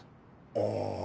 ああ。